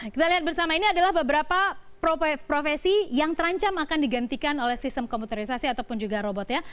kita lihat bersama ini adalah beberapa profesi yang terancam akan digantikan oleh sistem komputerisasi ataupun juga robot ya